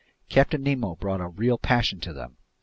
Captain Nemo brought a real passion to them.